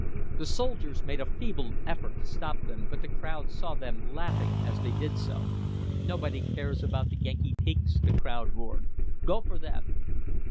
The soldiers made a feeble effort to stop them, but the crowd saw them laughing as they did so. "Nobody cares about the Yankee pigs!" the crowd roared. "Go for them."